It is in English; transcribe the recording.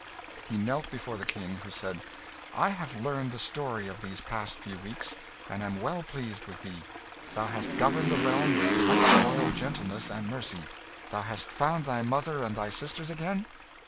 He knelt before the King, who said "I have learned the story of these past few weeks, and am well pleased with thee. Thou hast governed the realm with right royal gentleness and mercy. Thou hast found thy mother and thy sisters again?